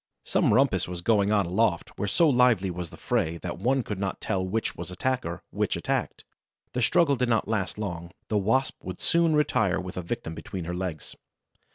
Some rumpus was going on aloft, where so lively was the fray that one could not tell which was attacker, which attacked. The struggle did not last long: the Wasp would soon retire with a victim between her legs.